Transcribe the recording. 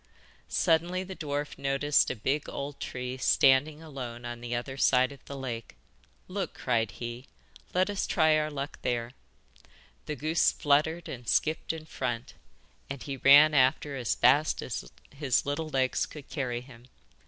Suddenly the dwarf noticed a big old tree standing alone on the other side of the lake. 'Look,' cried he, 'let us try our luck there.' The goose fluttered and skipped in front, and he ran after as fast as his little legs could carry him.